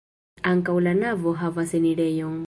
Ankaŭ la navo havas enirejon.